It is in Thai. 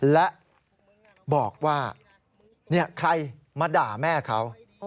และบอกว่าใครมาด่าแม่เขา